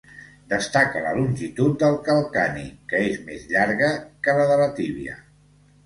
Destaca la longitud del calcani què és més llarga que la de la tíbia.